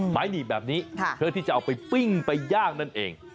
หนีบแบบนี้เพื่อที่จะเอาไปปิ้งไปย่างนั่นเอง